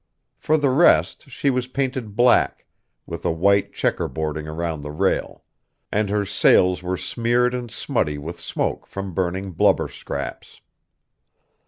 For the rest, she was painted black, with a white checkerboarding around the rail; and her sails were smeared and smutty with smoke from burning blubber scraps.